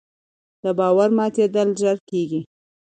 د باور ماتېدل ژر کېږي